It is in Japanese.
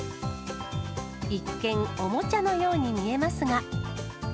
一見、おもちゃのように見えますが。